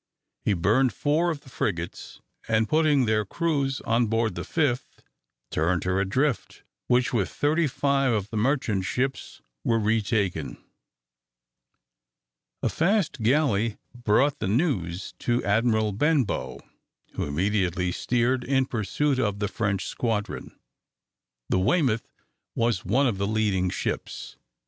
He burned four of the frigates, and putting their crews on board the fifth, turned her adrift, which, with thirty five of the merchant ships, were retaken. A fast galley brought this news to Admiral Benbow, who immediately steered in pursuit of the French squadron. The "Weymouth" was one of the leading ships.